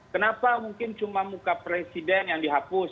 kenapa mungkin cuma muka presiden yang dihapus